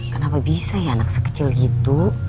kenapa bisa ya anak sekecil itu